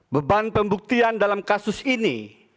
beban pembuktian dalam kasus ini